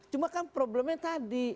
cuma kan problemnya tadi